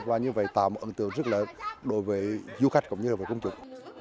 và như vậy tạo một ấn tượng rất là đối với du khách cũng như là với công trực